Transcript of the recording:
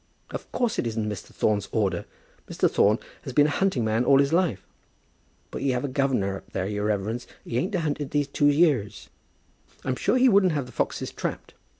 "Of course it isn't Mr. Thorne's order. Mr. Thorne has been a hunting man all his life." "But he have guv' up now, your reverence. He ain't a hunted these two years." "I'm sure he wouldn't have the foxes trapped."